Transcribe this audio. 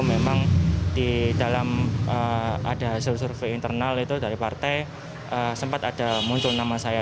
memang di dalam ada hasil survei internal itu dari partai sempat ada muncul nama saya